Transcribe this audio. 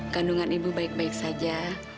kandungan ibu baik baik saja